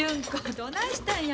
どないしたんや。